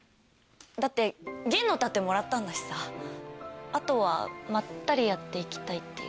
だって銀の盾もらったんだしさあとはまったりやって行きたいっていうか。